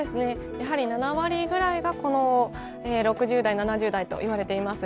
７割ぐらいがこの６０代、７０代といわれています